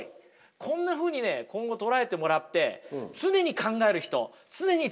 こんなふうにね今後捉えてもらって常に考える人常に作り続けてる人